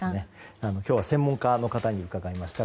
今日は専門家の方に伺いました。